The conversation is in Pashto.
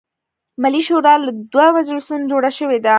ملي شورا له دوه مجلسونو جوړه شوې ده.